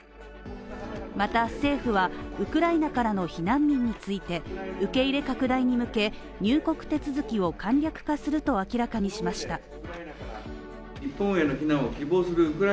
また政府は、ウクライナからの避難民について、受け入れ拡大に向け入国手続きを簡略化すると明らかにしました。